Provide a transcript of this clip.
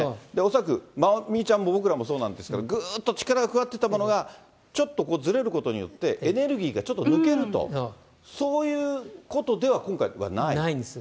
恐らく、まおみちゃんも僕らもそうなんですけど、ぐーっと力が加わってたものが、ちょっとずれることによって、エネルギーがちょっと抜けると、そういうことでは、ないんです。